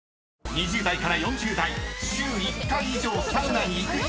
［２０代から４０代週１回以上サウナに行く人